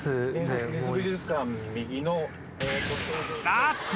あっと。